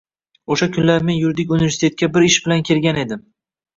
Oʻsha kunlari men yuridik universitetga bir ish bilan kelgandim.